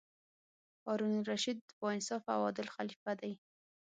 هارون الرشید با انصافه او عادل خلیفه دی.